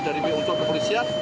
dari biongkok kepolisian